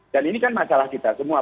dan ini kan masalah kita semua